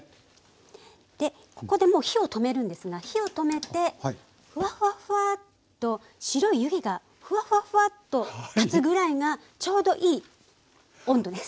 でここでもう火を止めるんですが火を止めてふわふわふわっと白い湯気がふわふわふわっと立つぐらいがちょうどいい温度です。